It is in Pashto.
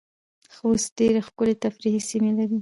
خوست ډیرې ښکلې تفریحې سیمې لرې